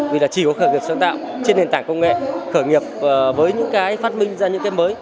vì là chỉ có khởi nghiệp sáng tạo trên nền tảng công nghệ khởi nghiệp với những cái phát minh ra những cái mới